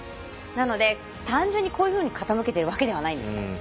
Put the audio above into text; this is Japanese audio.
なので単純にこういうふうに傾けているわけではないんです。